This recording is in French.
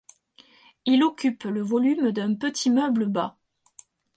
Il occupe le volume d'un petit meuble bas.